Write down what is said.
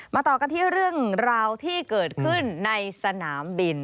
ต่อกันที่เรื่องราวที่เกิดขึ้นในสนามบิน